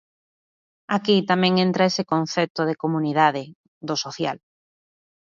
Aquí tamén entra ese concepto de comunidade, do social.